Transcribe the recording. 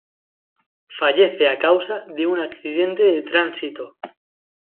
Fallece a causa de un accidente de tránsito.